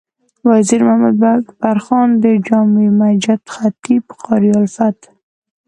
وزیر محمد اکبر خان د جامع مسجد خطیب قاري الفت،